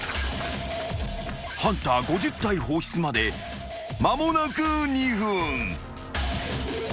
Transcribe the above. ［ハンター５０体放出まで間もなく２分］